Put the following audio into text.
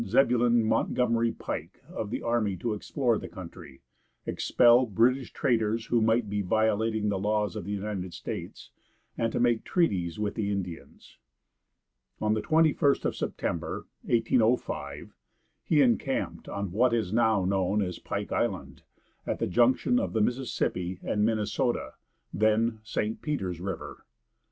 Zebulon Montgomery Pike of the army to explore the country, expel British traders who might be violating the laws of the United States, and to make treaties with the Indians. On the 21st of September, 1805, he encamped on what is now known as Pike Island, at the junction of the Mississippi and Minnesota, then St. Peter's river.